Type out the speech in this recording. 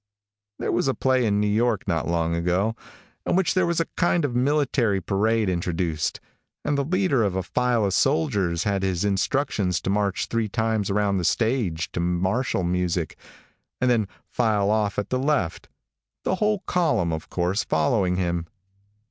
There was a play in New York, not long ago, in which there was a kind of military parade introduced, and the leader of a file of soldiers had his instructions to march three times around the stage to martial music, and then file off at the left, the whole column, of course, following him.